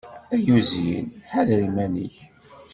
Ay uzyin, ḥader iman-ik!